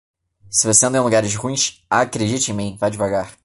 Se você anda em lugares ruins, acredite em mim, vá devagar.